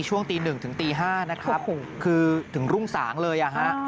ช่วงตีหนึ่งถึงตีห้านะครับคือถึงรุ่งสางเลย